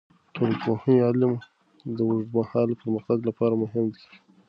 د ټولنپوهنې علم د اوږدمهاله پرمختګ لپاره مهم دی.